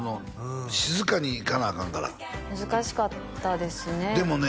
静かにいかなアカンから難しかったですねでもね